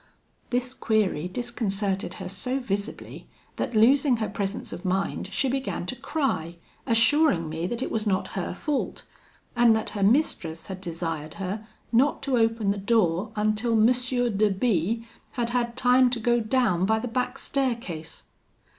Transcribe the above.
This query disconcerted her so visibly, that losing her presence of mind, she began to cry, assuring me that it was not her fault; and that her mistress had desired her not to open the door until M. de B had had time to go down by the back staircase.